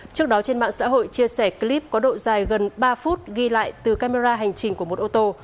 trước đó trên mạng xã hội chia sẻ clip có độ dài gần ba phút ghi lại từ camera hành trình của một ô tô